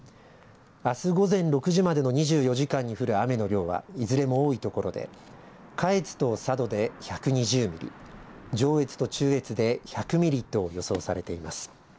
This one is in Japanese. あす午前６時までの２４時間に降る雨の量はいずれも多いところで下越と佐渡で１２０ミリ上越と中越で１００ミリと予想されています。